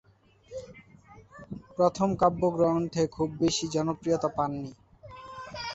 প্রথম কাব্যগ্রন্থে খুব বেশি জনপ্রিয়তা পাননি।